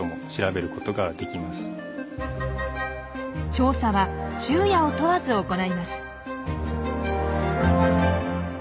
調査は昼夜を問わず行います。